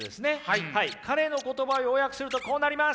彼の言葉要約するとこうなります。